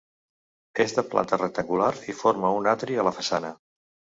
És de planta rectangular i forma un atri a la façana.